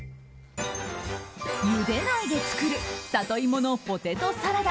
ゆでないで作るサトイモのポテトサラダ。